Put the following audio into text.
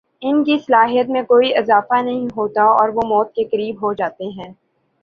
ان کی صلاحیت میں کوئی اضافہ نہیں ہوتا اور وہ موت کےقریب ہوجاتے ہیں